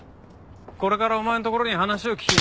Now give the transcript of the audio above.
これからお前のところに話を聞き。